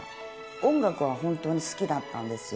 音楽は本当に好きだったんですよ。